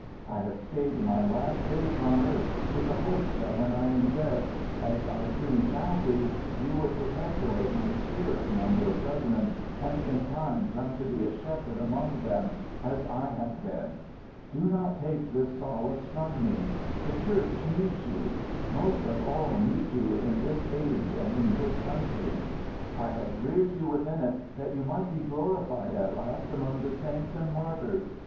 I have stayed my last days on earth with the hope that when I am dead, as I soon shall be, you would perpetuate my spirit among your brethren, and in time come to be a shepherd among them, as I have been. Do not take this solace from me. The Church needs you most of all needs you in this age and in this country. I have reared you within it that you might be glorified at last among the saints and martyrs.